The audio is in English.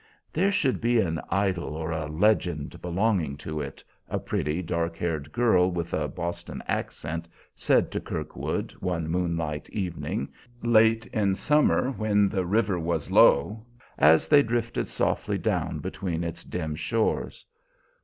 "There should be an idyl or a legend belonging to it," a pretty, dark eyed girl with a Boston accent said to Kirkwood, one moonlight evening late in summer when the river was low, as they drifted softly down between its dim shores.